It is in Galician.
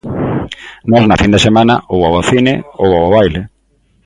Nós na fin de semana ou ao cine ou ao baile.